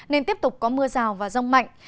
nên tiếp tục có mưa rào và giông mạnh